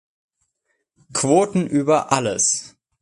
Quoten über alles!